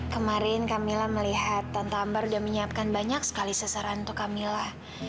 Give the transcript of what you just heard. kemarin kak mila melihat tante ambar udah menyiapkan banyak sekali seserahan untuk kak mila